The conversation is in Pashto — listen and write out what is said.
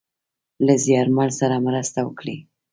له زیارمل سره مرسته وکړﺉ .